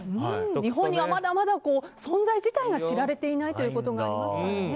日本には、まだまだ存在自体が知られていないということがありますからね。